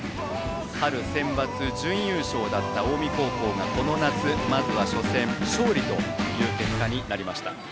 春センバツ準優勝だった近江高校がこの夏まずは初戦勝利という結果になりました。